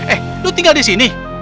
eh lu tinggal di sini